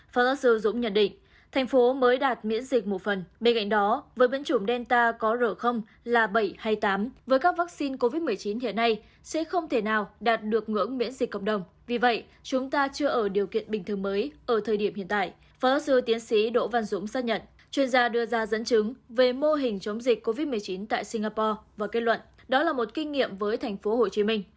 phó giáo sư tiến sĩ đỗ văn dũng xác nhận chuyên gia đưa ra dẫn chứng về mô hình chống dịch covid một mươi chín tại singapore và kết luận đó là một kinh nghiệm với thành phố hồ chí minh